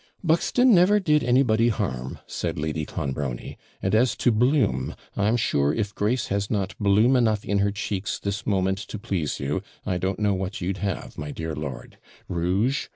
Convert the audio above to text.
'Buxton never did anybody harm,' said Lady Clonbrony; 'and as to bloom, I'm sure, if Grace has not bloom enough in her cheeks this moment to please you, I don't know what you'd have, my dear lord Rouge?